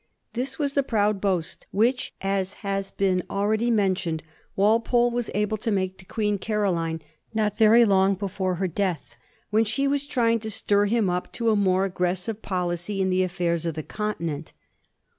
This was the proud boast which, as has been already mentioned, Walpole was able to make to Queen Caroline not very long before her death, when she was trying to stir him up to a more agressive policy in the affairs of the Continent.